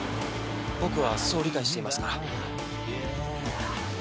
僕はそう理解していますから。